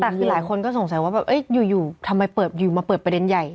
แต่คือหลายคนก็สงสัยว่าอยู่ทำไมอยู่มาเปิดประเด็นใหญ่